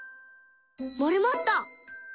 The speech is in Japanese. モルモット！